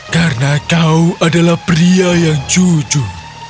karena kau adalah pria yang jujur